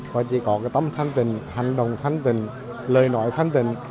và chỉ có cái tâm thanh tịnh hành động thanh tịnh lời nói thanh tịnh